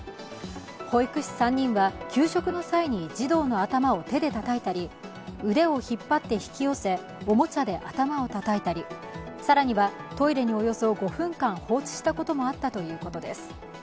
保育士３人は給食の際に児童の頭を手でたたいたり腕を引っ張って引き寄せおもちゃで頭をたたいたり更にはトイレにおよそ５分間放置したこともあったということです。